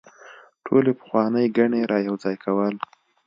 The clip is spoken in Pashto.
ټولې پخوانۍ ګڼې رايوځاي کول